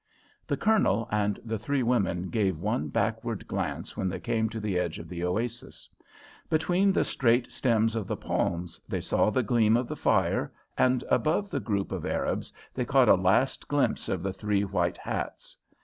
The Colonel and the three women gave one backward glance when they came to the edge of the oasis. Between the straight stems of the palms they saw the gleam of the fire, and above the group of Arabs they caught a last glimpse of the three white hats.